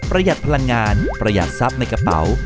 หัดพลังงานประหยัดทรัพย์ในกระเป๋า